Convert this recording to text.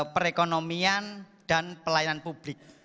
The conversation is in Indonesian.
perekonomian dan pelayanan publik